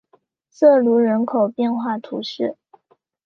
瑟卢人口变化图示